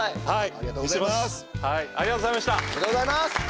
ありがとうございます！